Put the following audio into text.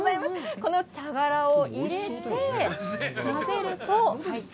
この茶殻を入れて混ぜると。